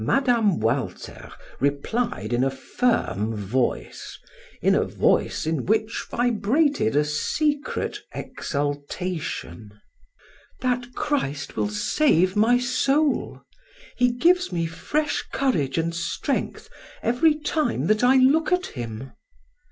Mme. Walter replied in a firm voice, in a voice in which vibrated a secret exaltation: "That Christ will save my soul. He gives me fresh courage and strength every time that I look at Him."